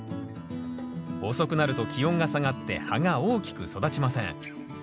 遅くなると気温が下がって葉が大きく育ちません。